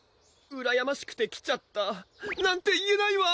うらやましくて来ちゃったなんて言えないわ！